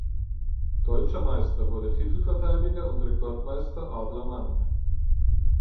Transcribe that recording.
Deutscher Meister wurde Titelverteidiger und Rekordmeister Adler Mannheim.